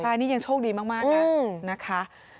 ใช่อันนี้ยังโชคดีมากนะ